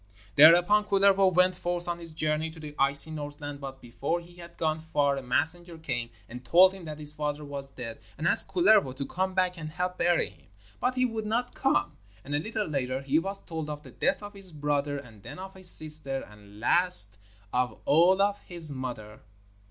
Thereupon Kullervo went forth on his journey to the icy Northland, but before he had gone far a messenger came and told him that his father was dead and asked Kullervo to come back and help bury him, but he would not come. And a little later he was told of the death of his brother and then of his sister, and last of all of his mother.